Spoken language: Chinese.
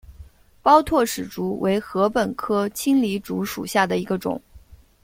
包箨矢竹为禾本科青篱竹属下的一个种。